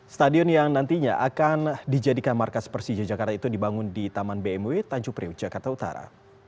stadion yang nantinya akan dijadikan markas persija jakarta itu dibangun di taman bmw tanjung priuk jakarta utara